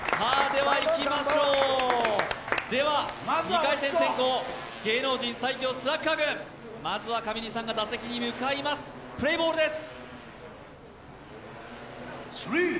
ではいきましょう、２回戦先攻、芸能人最強スラッガー軍、まずは上地さんが打席に向かいます、プレーボールです。